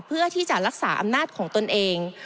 เพื่อที่จะรักษาอำนาจของตนเอง